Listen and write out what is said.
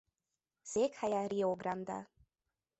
Székhelye Río Grande.